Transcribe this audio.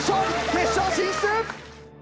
決勝進出！